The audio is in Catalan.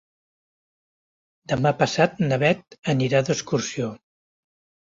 Demà passat na Bet anirà d'excursió.